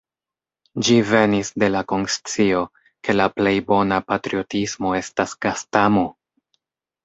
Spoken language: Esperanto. Ĝi venis de la konscio, ke la plej bona patriotismo estas gastamo!